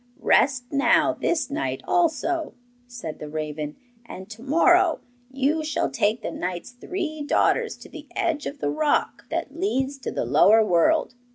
'Rest now this night also,' said the raven, 'and to morrow you shall take the knight's three daughters to the edge of the rock that leads to the lower world.